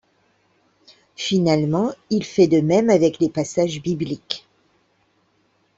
Finalement, il fait de même avec les passages bibliques.